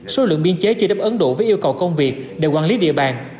số lượng biên chế chưa đáp ứng đủ với yêu cầu công việc để quản lý địa bàn